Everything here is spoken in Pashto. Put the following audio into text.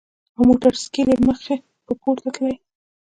او موټر ساېکلې مخ پۀ پورته تللې ـ